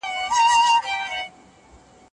ماښام لمبېدل بستر پاکوي.